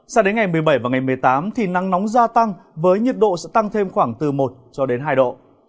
sau đến ngày một mươi bảy và ngày một mươi tám thì nắng nóng gia tăng với nhiệt độ sẽ tăng thêm khoảng từ một hai độ